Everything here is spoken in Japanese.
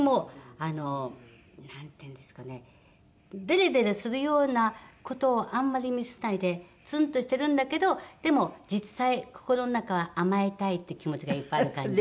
デレデレするような事をあんまり見せないでツンとしてるんだけどでも実際心の中は甘えたいって気持ちがいっぱいある感じ。